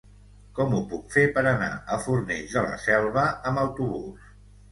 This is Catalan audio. Com ho puc fer per anar a Fornells de la Selva amb autobús?